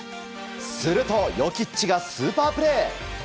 するとヨキッチがスーパープレー。